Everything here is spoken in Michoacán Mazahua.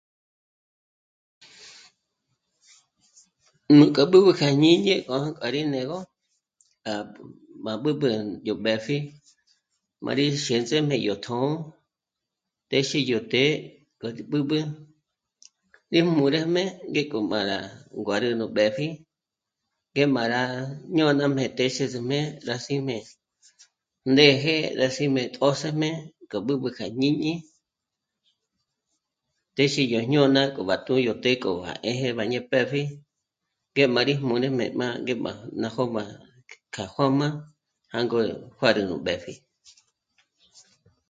Nú kja b'ǚb'ü kja jñiñi jânk'a rí né'egö rá b'ǚb'ü yó mbèpji m'a rí xêndzem'e yó tjṓ'ō, téxi yó të́'ë k'a b'ǚb'ü rí jmûrejm'e ngéko má rá nguárü nú b'épji ngé má rá jñônajme téxeze mé'e rá s'íjme néje rá s'íjme tjö́sëjme k'a b'ǚb'ü kja jñíñi, téxe yó jñôna k'o bátú'u yó të́'ë à éje má rí pëpji ngé má rí jmú'ne ngé má ná jó'ma k'a juā́jmā jângo juárü nú b'ë́pji